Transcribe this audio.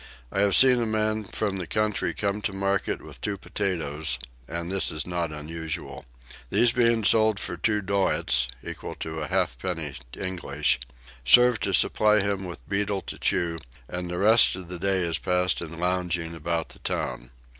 I have seen a man from the country come to market with two potatoes: and this is not unusual. These being sold for two doits (equal to a halfpenny English) serve to supply him with betel to chew; and the remainder of the day is passed in lounging about the town.